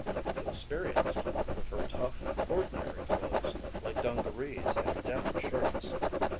The experienced prefer tough, ordinary clothes like dungarees and denim shirts.